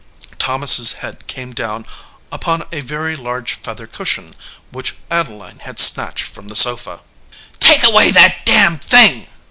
Thomas s head came down upon a very large feather cushion which Adeline had snatched from the sofa. "Take away that damned thing!"